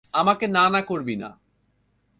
আমাকে না না করবি না।